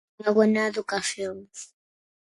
Una buena educación